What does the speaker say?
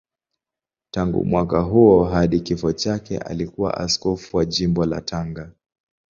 Tangu mwaka huo hadi kifo chake alikuwa askofu wa Jimbo la Tanga.